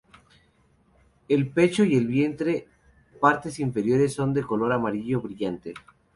El pecho y el vientre partes inferiores son de color amarillo brillante.